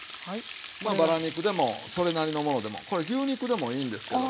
まあバラ肉でもそれなりのものでもこれ牛肉でもいいんですけども。